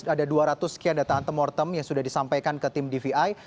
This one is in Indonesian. ada dua ratus sekian data antemortem yang sudah disampaikan ke tim dvi